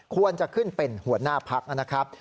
ควรจะขึ้นเป็นหัวหน้าพักนะครับ